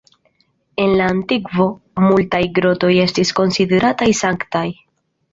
En la antikvo multaj grotoj estis konsiderataj sanktaj.